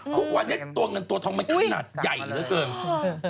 ทุกวันนี้ตัวเงินตัวทองมันขนาดใหญ่เหลือเกิน